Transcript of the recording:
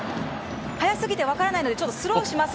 速すぎて分からないのでスローで。